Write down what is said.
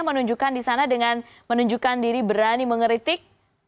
menunjukkan di sana dengan menunjukkan diri berani mengeritik